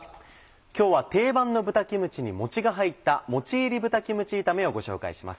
今日は定番の豚キムチにもちが入った「もち入り豚キムチ炒め」をご紹介します。